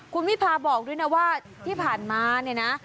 คุณวิพาบอกด้วยนะว่าที่ผ่านมาเนี่ยนะ